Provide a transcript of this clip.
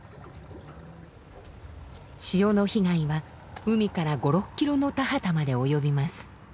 塩の被害は海から５６キロの田畑まで及びます。